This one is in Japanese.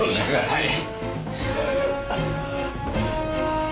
はい。